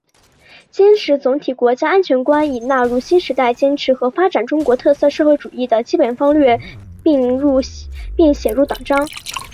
坚持总体国家安全观已纳入新时代坚持和发展中国特色社会主义的基本方略并写入党章